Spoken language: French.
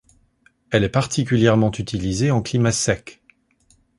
Elle est particulièrement utilisée en climats secs.